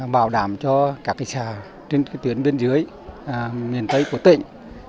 bảo đảm cho các xã trên tuyến bên dưới miền tây của tỉnh